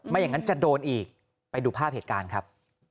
อย่างนั้นจะโดนอีกไปดูภาพเหตุการณ์ครับ